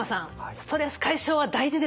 ストレス解消は大事ですね。